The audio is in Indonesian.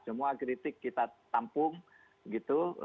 semua kritik kita tampung gitu